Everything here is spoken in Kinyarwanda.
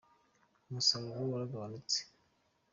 Umusaruro waragabanutse.